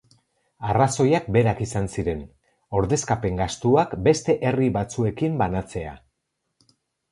Arrazoiak berak izan ziren, ordezkapen gastuak beste herri batzuekin banatzea.